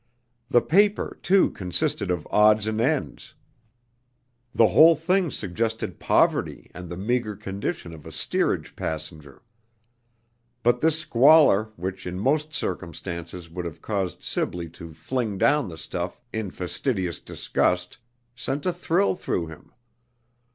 The paper, too, consisted of odds and ends. The whole thing suggested poverty and the meager condition of a steerage passenger. But this squalor, which in most circumstances would have caused Sibley to fling down the stuff in fastidious disgust, sent a thrill through him.